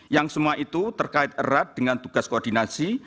yang semua itu terkait erat dengan tugas koordinasi